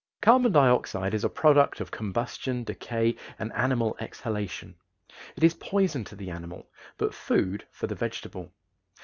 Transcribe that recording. Carbon dioxide is a product of combustion, decay, and animal exhalation. It is poison to the animal, but food for the vegetable.